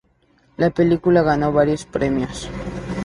La película ganó varios premios